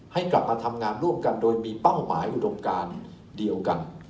ให้กลับมาทำงานร่วมกันโดยมีเป้าหมายอุดมการเดียวกัน